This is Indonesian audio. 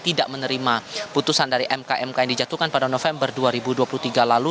tidak menerima putusan dari mk mk yang dijatuhkan pada november dua ribu dua puluh tiga lalu